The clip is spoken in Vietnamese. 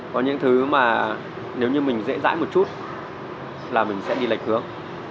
có những thứ mà nếu như mình dễ dãi một chút là mình sẽ đi lệch hướng